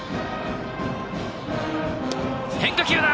変化球だ！